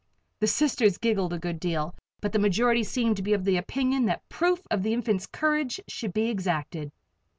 The Sisters giggled a good deal, but the majority seemed to be of the opinion that proof of the Infants' courage should be exacted.